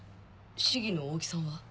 市議の大木さんは？